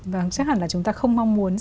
vâng chắc hẳn là chúng ta không mong muốn